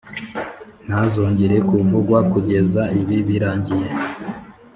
ntazongera kuvugwa kugeza ibi birangiye.